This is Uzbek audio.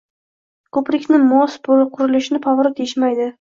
Ko‘prikni most, burilishni povorot deyishmaydi.